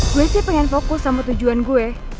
gue sih pengen fokus sama tujuan gue